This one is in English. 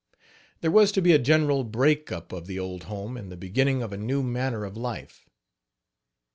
There was to be a general break up of the old home, and the beginning of a new manner of life.